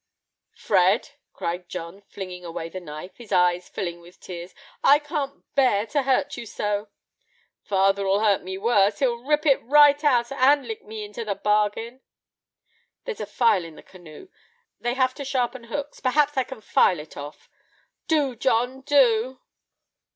"Fred," cried John, flinging away the knife, his eyes filling with tears, "I can't bear to hurt you so." "Father'll hurt me worse; he'll rip it right out, and lick me into the bargain." "There's a file in the canoe, they have to sharpen hooks; perhaps I can file it off." "Do, John; do."